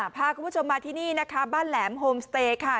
พาคุณผู้ชมมาที่นี่นะคะบ้านแหลมโฮมสเตย์ค่ะ